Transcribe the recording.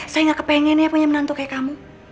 saya gak kepengen ya punya menantu kayak kamu